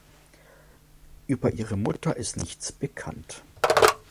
Über ihre Mutter ist nichts bekannt.